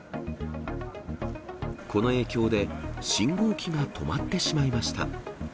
この影響で、信号機が止まってしまいました。